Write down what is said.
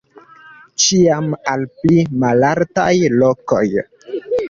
Ĉiam al pli malaltaj lokoj.